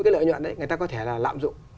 cái lợi nhuận đấy người ta có thể là lạm dụng